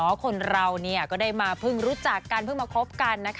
เพราะคนเราก็ได้มาเพิ่งรู้จักกันเพิ่งมาคบกันนะคะ